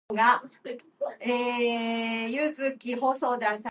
The album also reached major positions on the country chart in the United States.